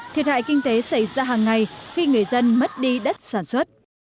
thiệt hại kinh tế xảy ra hàng ngày khi người dân mất đi đất sản xuất